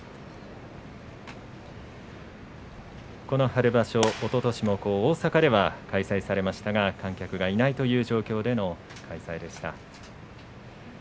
この春場所、おととしも大阪で開催されましたが観客がいないという状況の中での開催でした。